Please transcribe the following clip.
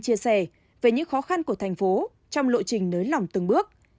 chia sẻ về những khó khăn của thành phố trong lộ trình nới lỏng từng bước